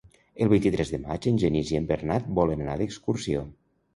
El vint-i-tres de maig en Genís i en Bernat volen anar d'excursió.